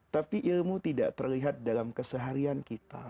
tapi ilmu tidak terlihat dalam keseharian kita